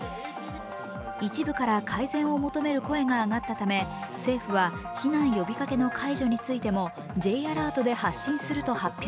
一部から改善を求める声が上がったため、政府は避難呼びかけの解除についてもＪアラートで発信すると発表。